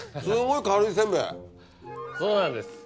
そうなんです。